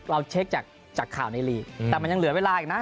เราเช็คจากข่าวในลีกแต่มันยังเหลือเวลาอีกนะ